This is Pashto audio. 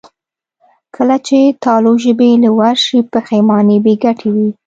کله چې تالو ژبې له ورشي، پښېماني بېګټې وي.